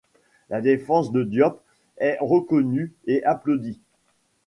La défense de Diop est reconnue et applaudie.